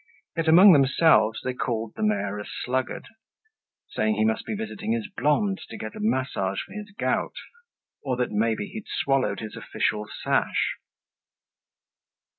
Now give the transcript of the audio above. Yet among themselves they called the mayor a sluggard, saying he must be visiting his blonde to get a massage for his gout, or that maybe he'd swallowed his official sash.